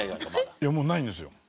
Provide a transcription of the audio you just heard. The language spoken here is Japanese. いやもうないんですよ。